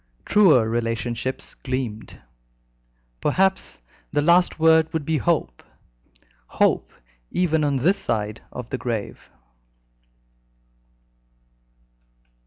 Truer relationships gleamed. Perhaps the last word would be hope hope even on this side of the grave.